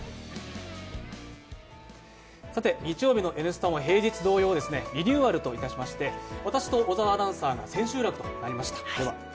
日曜日の「Ｎスタ」も平日と同様リニューアルといたしまして、私と小沢アナウンサーが千秋楽となりました。